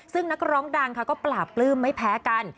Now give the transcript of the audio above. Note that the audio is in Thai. ซึ่งนักร้องดังค่ะก็ปลาปลื้มไม่แพ้กัน